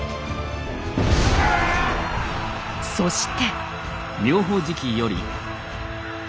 そして。